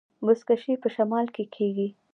بزکشي په شمال کې کیږي